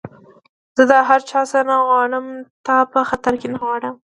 زه دا هر څه نه غواړم، تا په خطر کي نه غورځوم.